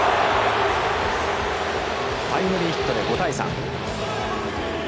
タイムリーヒットで５対３。